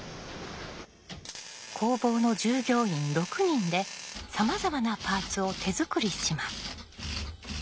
工房の従業員６人でさまざまなパーツを手作りします。